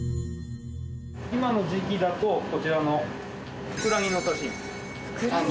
今の時期だとこちらのふくらぎの刺し身。